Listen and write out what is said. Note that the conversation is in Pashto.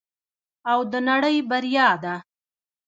او د نړۍ بریا ده.